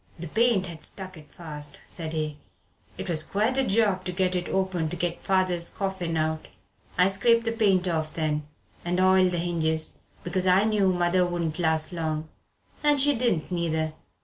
"The paint had stuck it fast," said he, "it was quite a job to get it open to get father's coffin out. I scraped the paint off then, and oiled the hinges, because I knew mother wouldn't last long. And she didn't neither."